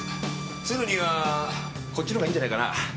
鶴にはこっちの方がいいんじゃないかな？